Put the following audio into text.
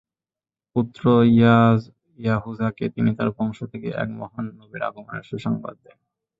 পুত্র ইয়াহুযাকে তিনি তাঁর বংশ থেকে এক মহান নবীর আগমনের সু-সংবাদ দেন।